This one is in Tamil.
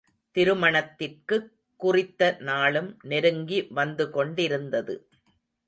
திருமணத்திற்குக் குறித்த நாளும் நெருங்கி வந்து கொண்டிருந்தது.